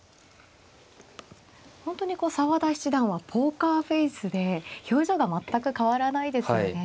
本当にこう澤田七段はポーカーフェースで表情が全く変わらないですよね。